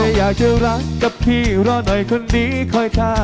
อยากจะรักกับพี่รอหน่อยคนนี้คอยท่า